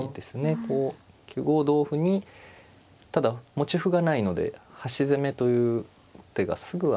こう９五同歩にただ持ち歩がないので端攻めという手がすぐはないのですが。